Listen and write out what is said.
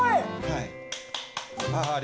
はい。